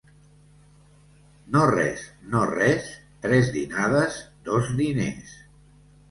No res, no res, tres dinades, dos diners.